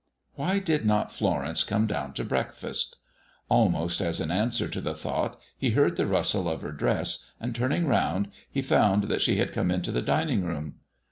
Why did not Florence come down to breakfast? Almost as in answer to the thought he heard the rustle of her dress, and, turning around, he found that she had come into the dining room.